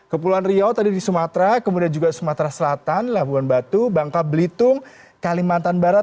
kepulauan riau tadi di sumatera kemudian juga sumatera selatan labuan batu bangka belitung kalimantan barat